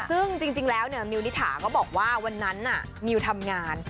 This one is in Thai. ซึ่งจริงแล้วมิวนิถาก็บอกว่าวันนั้นมิวทำงาน